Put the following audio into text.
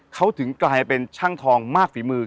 เขาถึงกลายเป็นช่างทองมากฝีมือ